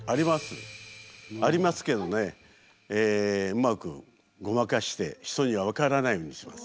ありますけどねうまくごまかして人には分からないようにします。